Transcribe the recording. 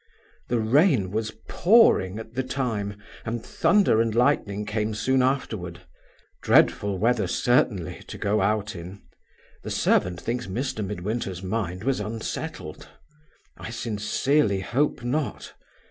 The rain was pouring at the time, and thunder and lightning came soon afterward. Dreadful weather certainly to go out in. The servant thinks Mr. Midwinter's mind was unsettled. I sincerely hope not.